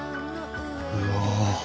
うわ！